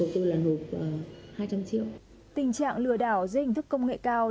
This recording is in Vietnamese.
tình trạng lừa đảo dưới hình thức công nghệ cao